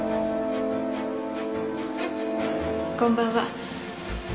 こんばんは